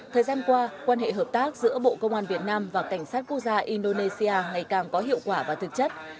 thời gian qua quan hệ hợp tác giữa bộ công an việt nam và cảnh sát quốc gia indonesia ngày càng có hiệu quả và thực chất